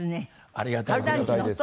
ありがたいです。